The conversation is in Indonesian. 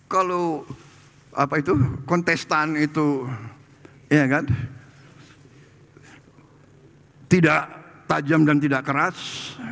kalau kontestan itu tidak tajam dan tidak keras